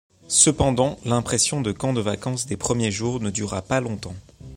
Cependant, l'impression de camp de vacances des premiers jours ne dura pas longtemps.